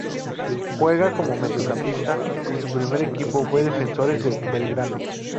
Juega como mediocampista y su primer equipo fue Defensores de Belgrano.